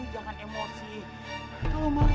lo jangan emosi